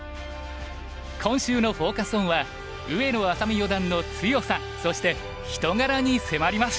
今週のフォーカス・オンは上野愛咲美四段の強さそして人柄に迫ります！